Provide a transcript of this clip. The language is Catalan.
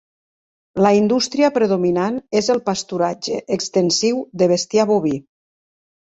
La indústria predominant és el pasturatge extensiu de bestiar boví.